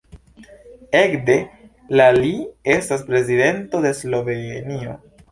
Ekde la li estas Prezidento de Slovenio.